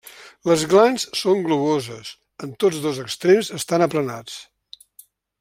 Les glans són globoses, en tots dos extrems estan aplanats.